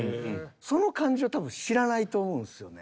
その感じを多分知らないと思うんですよね。